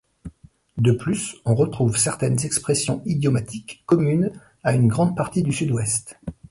De plus, on retrouve certaines expressions idiomatiques communes à une grande partie du Sud-Ouest.